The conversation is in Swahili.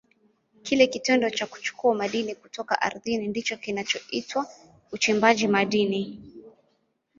Kile kitendo cha kuchukua madini kutoka ardhini ndicho kinachoitwa uchimbaji madini.